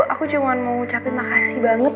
aku cuman mau ucap makasih banget